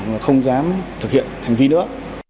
và không dám thực hiện hành vi nữa